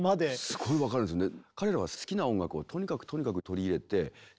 すごい分かるんですね。